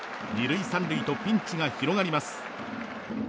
２塁３塁とピンチが広がります。